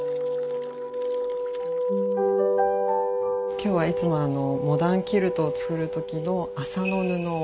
今日はいつもモダンキルトを作る時の麻の布を染めます。